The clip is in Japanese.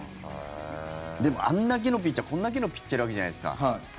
でもあんだけのピッチャーこんだけのピッチャーがいるわけじゃないですか。